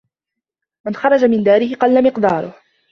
من خرج من داره قلّ مِقداره.